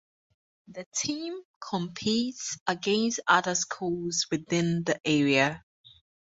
The team competes against other schools within the area.